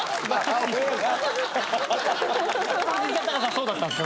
そうだったんです